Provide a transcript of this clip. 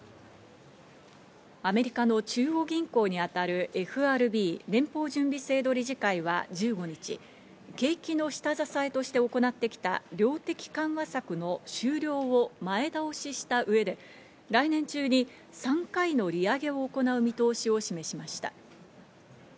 アメリカの中央銀行にあたるＦＲＢ＝連邦準備制度理事会は１５日、景気の下支えとして行ってきた量的緩和策の終了を前倒しした上で、来年中に３回の利上げを行う見通しを示しました。